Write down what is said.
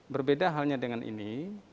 berbeda halnya dengan ini